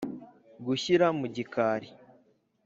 gushyira mu gikari